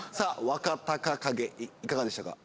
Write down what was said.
若隆景いかがでしたか？